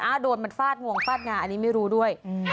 โดนมันฟาดงวงฟาดงาอันนี้ไม่รู้ด้วย